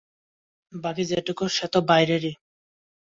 বাকি যেটুকু সে তো বাইরের।